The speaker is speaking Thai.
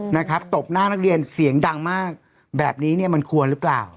นะครับตบหน้านักเรียนเสียงดังมากแบบนี้เนี่ยมันควรหรือเปล่า